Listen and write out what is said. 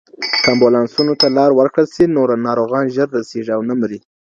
که امبولانسونو ته لار ورکړل سي، نو ناروغان ژر رسیږي او نه مري.